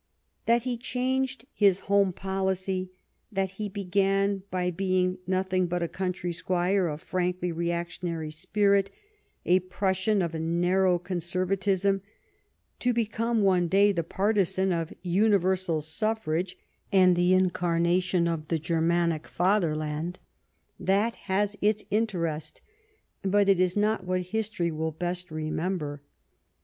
That he changed his home policy ; that he began by being nothing but a country squire of frankly reactionary spirit, a Prussian of a narrow conserva tism, to become one day the partisan of Universal Suffrage and the incarnation of the Germanic 2^6 Last Fights Fatherland : that has its interest, but it is not what history will best remember.